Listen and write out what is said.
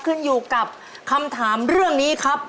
ขึ้นอยู่กับคำถามเรื่องนี้ครับ